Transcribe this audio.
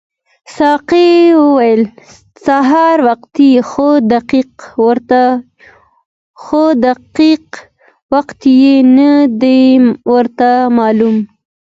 ساقي وویل سهار وختي خو دقیق وخت یې نه دی راته معلوم.